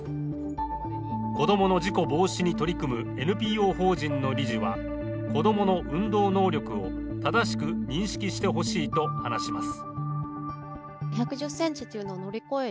子供の事故防止に取り組むＮＰＯ法人の理事は子供の運動能力を正しく認識してほしいと話します。